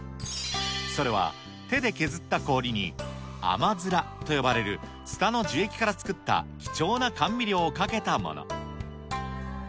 それは、手で削った氷に、あまづらと呼ばれるツタの樹液から作った貴重な甘味料をかけたもの。